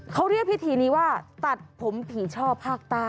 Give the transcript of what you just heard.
เขาเรียกพิธีนี้ว่าตัดผมผีช่อภาคใต้